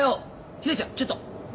ひらりちゃんちょっと。